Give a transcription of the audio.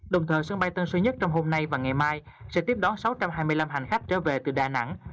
đồng thời sân bay tân sơn nhất trong hôm nay và ngày mai sẽ tiếp đón sáu trăm hai mươi năm hành khách trở về từ đà nẵng